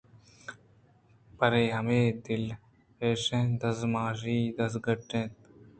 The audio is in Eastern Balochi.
پرے پہ ہمے دلریش ءُدزموشی ءَ دزگٹّ اِت اَنت